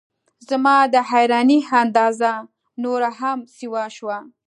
زما د حیرانۍ اندازه نوره هم سیوا شوه.